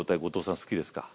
好きです。